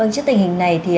trước tình hình này